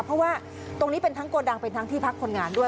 เพราะว่าตรงนี้เป็นทั้งโกดังเป็นทั้งที่พักคนงานด้วย